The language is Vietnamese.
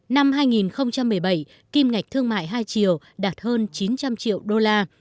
năm hai nghìn một mươi bảy kim ngạch thương mại hai triệu đạt hơn chín trăm linh triệu đô la